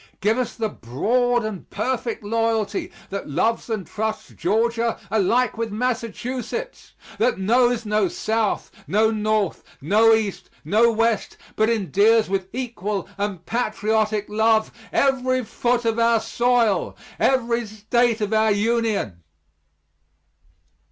Give us the broad and perfect loyalty that loves and trusts Georgia alike with Massachusetts that knows no South, no North, no East, no West, but endears with equal and patriotic love every foot of our soil, every State of our Union.